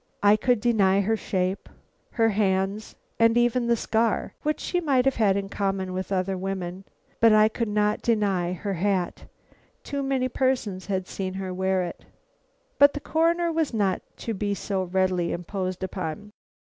I could deny her shape, her hands, and even the scar, which she might have had in common with other women, but I could not deny her hat. Too many persons had seen her wear it." But the Coroner was not to be so readily imposed upon.